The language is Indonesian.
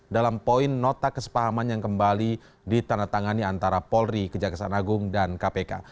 dalam poin nota kesepahaman yang kembali ditandatangani antara polri kejaksaan agung dan kpk